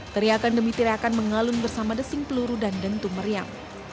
teriakan demi teriakan mengalun bersama desing peluru dan dentu meriam